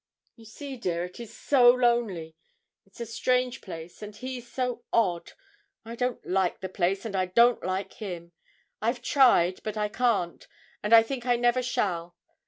'You see, dear, it is so lonely; it's a strange place, and he so odd. I don't like the place, and I don't like him. I've tried, but I can't, and I think I never shall.